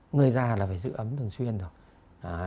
người già là phải giữ ấm thường xuyên